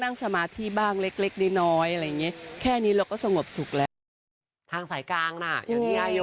นั่งสมาธิบ้างเล็กนิ้น้อยอะไรอย่างนี้